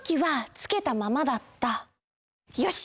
よし！